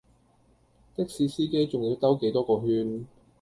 的士司機仲要兜幾多個圈